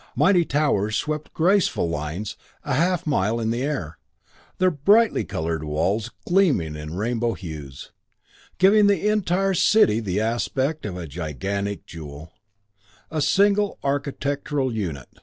Mighty towers swept graceful lines a half mile in the air, their brightly colored walls gleaming in rainbow hues, giving the entire city the aspect of a gigantic jewel a single architectural unit.